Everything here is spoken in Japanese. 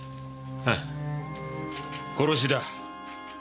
ああ殺しだ。